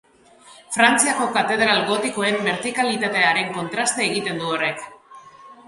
Frantziako katedral gotikoen bertikalitatearekin kontraste egiten du horrek.